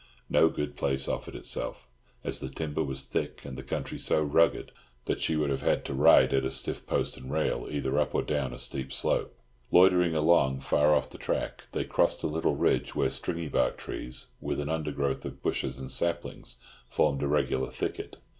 No good place offered itself, as the timber was thick, and the country so rugged that she would have had to ride at a stiff post and rail either up or down a steep slope. Loitering along, far off the track, they crossed a little ridge where stringybark trees, with an undergrowth of bushes and saplings, formed a regular thicket.